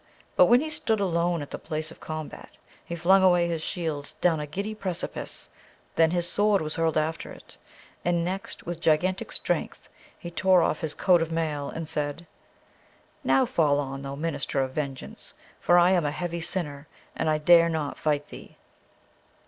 But when he stood alone at the place of combat, he flung away his shield down a giddy precipice, then his sword was hurled after it, and next with gigantic strength he tore off his coat of mail, and said, 'Now fall on, thou minister of vengeance; for I am a heavy sinner, and I dare not fight with thee.